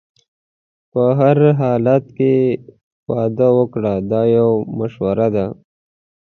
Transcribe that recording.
په هر حالت کې واده وکړه دا یو مشوره ده.